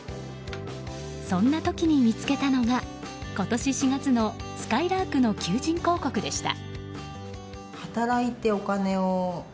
そんな時に見つけたのが今年４月のすかいらーくの求人広告でした。